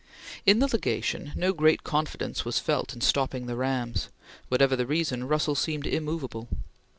In the Legation no great confidence was felt in stopping the rams. Whatever the reason, Russell seemed immovable.